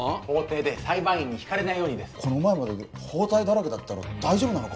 裁判員に引かれないようにこの前まで包帯だらけだったろ大丈夫か？